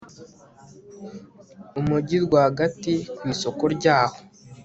umujyi rwagati ku isoko ryaho